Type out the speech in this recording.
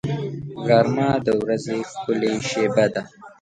غرمه د ورځې ښکلې شېبه ده